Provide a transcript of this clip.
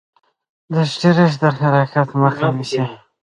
سټرس د خلاقیت مخه نیسي.